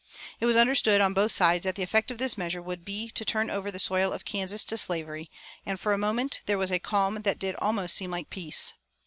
It was understood on both sides that the effect of this measure would be to turn over the soil of Kansas to slavery; and for a moment there was a calm that did almost seem like peace.